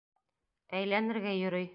Әйләнергә йөрөй.